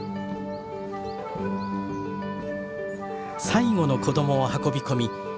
最後の子供を運び込み